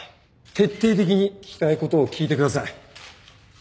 徹底的に聞きたいことを聞いてください。